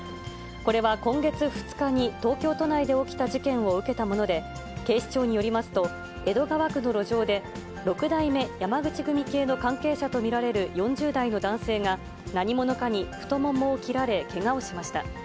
これは今月２日に東京都内で起きた事件を受けたもので、警視庁によりますと、江戸川区の路上で六代目山口組系の関係者と見られる４０代の男性が、何者かに太ももを切られ、けがをしました。